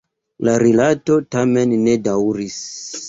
La rilato tamen ne daŭris.